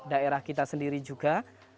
daerah kita sendiri juga